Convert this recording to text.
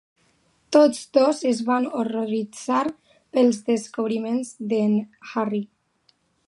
Tots dos es van horroritzar pels descobriments d'en Harry.